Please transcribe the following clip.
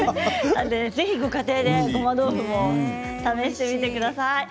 ぜひご家庭でごま豆腐も試してみてください。